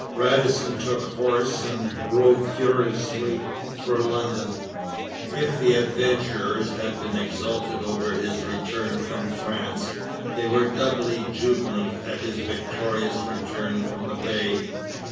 Radisson took horse and rode furiously for London. If the adventurers had been exultant over his return from France, they were doubly jubilant at his victorious return from the Bay.